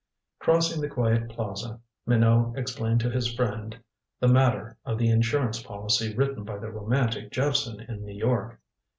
Crossing the quiet plaza Minot explained to his friend the matter of the insurance policy written by the romantic Jephson in New York.